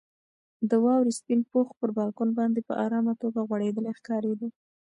د واورې سپین پوښ پر بالکن باندې په ارامه توګه غوړېدلی ښکارېده.